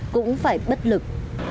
cũng phải bất lực